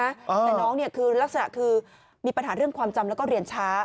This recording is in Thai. แต่น้องเนี่ยคือลักษณะคือมีปัญหาเรื่องความจำแล้วก็เรียนช้า